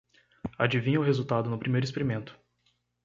Adivinha o resultado no primeiro experimento.